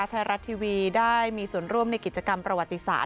ไทยรัฐทีวีได้มีส่วนร่วมในกิจกรรมประวัติศาสต